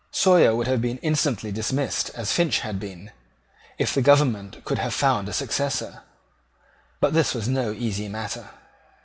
Sawyer would have been instantly dismissed as Finch had been, if the government could have found a successor: but this was no easy matter.